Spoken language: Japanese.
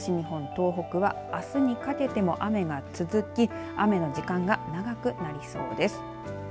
東日本、東北はあすにかけても雨が続き雨の時間が長くなりそうです。